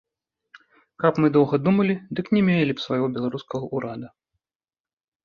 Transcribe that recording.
Каб мы доўга думалі, дык не мелі б свайго беларускага ўрада.